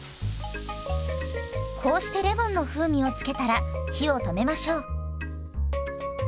こうしてレモンの風味を付けたら火を止めましょう。